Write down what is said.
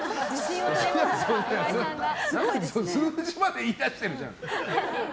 数字まで言い出してるじゃん。